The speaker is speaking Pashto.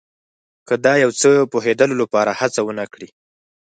که د یو څه پوهېدلو لپاره هڅه ونه کړئ.